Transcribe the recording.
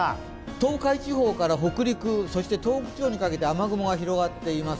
東海地方から北陸、東北地方にかけて雨雲が広がっています。